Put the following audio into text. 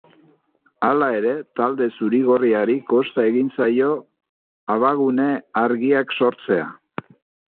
Hala ere, talde zuri-gorriari kosta egin zaio abagune argiak sortzea.